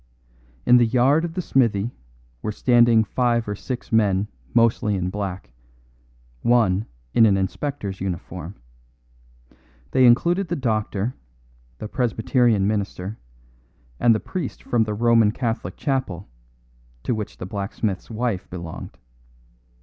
In the yard of the smithy were standing five or six men mostly in black, one in an inspector's uniform. They included the doctor, the Presbyterian minister, and the priest from the Roman Catholic chapel, to which the blacksmith's wife belonged.